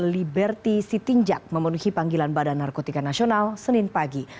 liberti sitingjak memenuhi panggilan badan narkotika nasional senin pagi